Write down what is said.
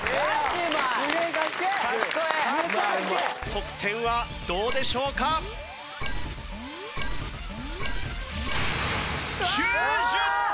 得点はどうでしょうか？９０．７０７！